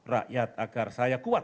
rakyat agar saya kuat